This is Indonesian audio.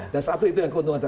dan satu itu yang keuntungan